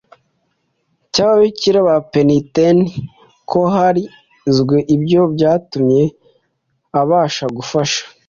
Cy ababikira ba penitente ko harinzwe ibyo byatumye abasha gufasha